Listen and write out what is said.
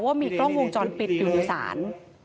ว่ามีกล้องวงจรปิดอยู่ในศาล